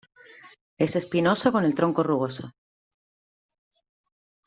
Es espinoso con el tronco rugoso.